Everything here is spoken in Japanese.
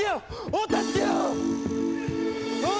お助けを！